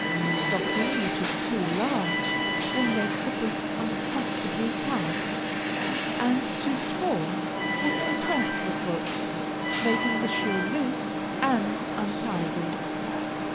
A stocking which is too large, will make the boot uncomfortably tight, and too small will compress the foot, making the shoe loose and untidy.